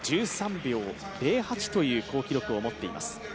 １３秒０８という好記録を持っています。